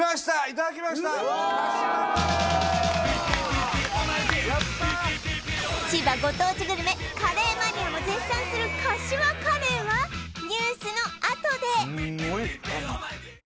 いただきました柏カレー千葉ご当地グルメカレーマニアも絶賛する柏カレーはニュースのあとで！